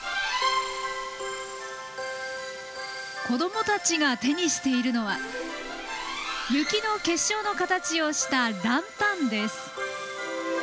子どもたちが手にしているのは雪の結晶の形をしたランタンです。